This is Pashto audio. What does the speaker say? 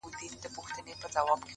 د تجربې غږ خاموش خو ژور وي’